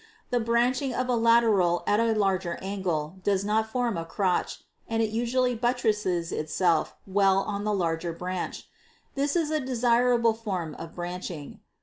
The branching of a lateral at a larger angle does not form a crotch and it usually buttresses itself well on the larger branch. That is a desirable form of branching.